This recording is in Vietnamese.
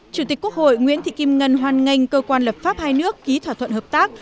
chủ tịch quốc hội nguyễn thị kim ngân hoàn ngành cơ quan lập pháp hai nước ký thỏa thuận hợp tác